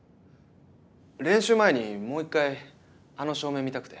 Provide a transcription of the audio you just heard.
練習前にもう一回あの照明見たくて。